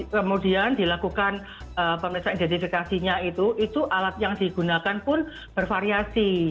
kemudian dilakukan pemeriksaan identifikasinya itu itu alat yang digunakan pun bervariasi